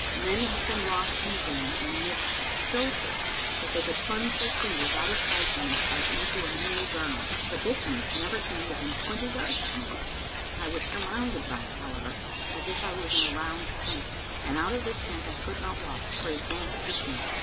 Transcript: Men have been lost in the glen in mists so thick that they could plunge their fingers out of sight in it as into a meal gimel ; but this mist never came within twenty yards of me. I was sur rounded by it, however, as if I was in a round tent; and out of this tent I could not walk, for it advanced with me.